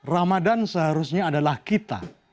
ramadhan seharusnya adalah kita